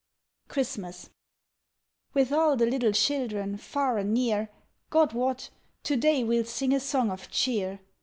CHRISTMAS With all the little children, far and near, God wot! to day we'll sing a song of cheer!